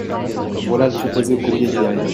Voilà le préposé au courrier qui arrive.